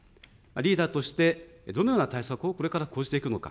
リーダーとして、どのような対策をこれから講じていくのか。